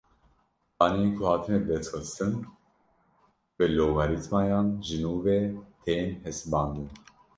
Daneyên ku hatine bidestxistin bi logarîtmayan ji nû ve tên hesibandin.